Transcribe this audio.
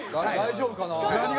大丈夫かな？